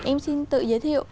em xin tự giới thiệu